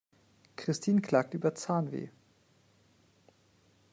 Christin klagt über Zahnweh.